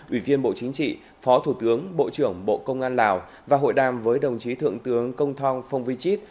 ủy viên bộ chính trị phó thủ tướng bộ trưởng bộ công an lào và hội đàm với đồng chí thượng tướng công thong phong vi chít